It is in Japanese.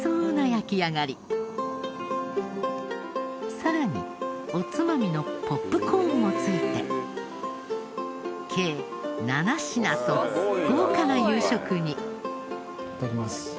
さらにおつまみのポップコーンもついて計７品と豪華な夕食に。